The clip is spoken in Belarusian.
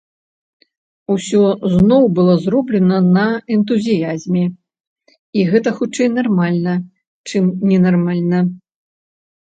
Усё зноў было зроблена на энтузіязме, і гэта хутчэй нармальна, чым ненармальна.